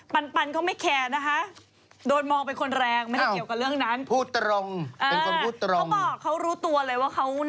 ปั่นปั่นเขาไม่แคร์นะคะ